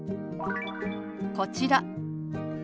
こちら。